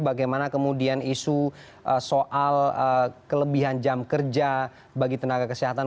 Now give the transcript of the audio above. bagaimana kemudian isu soal kelebihan jam kerja bagi tenaga kesehatan